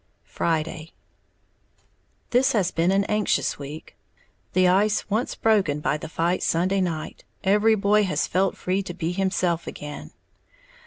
Friday. This has been an anxious week. The ice once broken by the fight Sunday night, every boy has felt free to be himself again.